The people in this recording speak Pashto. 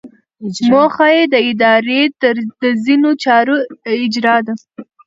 موخه یې د ادارې د ځینو چارو اجرا ده.